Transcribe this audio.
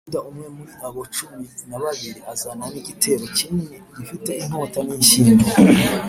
Yuda umwe muri abo cumi na babiri azana n’igitero kinini gifite inkota n’inshyimbo